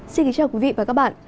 xin kính chào quý vị và các bạn